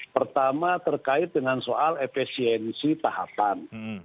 pertama terkait dengan soal efisiensi tahapan